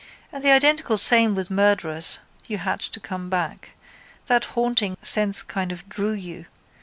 And the identical same with murderers. You had to come back. That haunting sense kind of drew you.